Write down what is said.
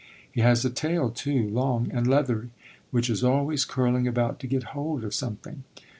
He has a tail, too, long and leathery, which is always curling about to get hold of something.